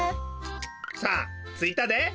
さあついたで。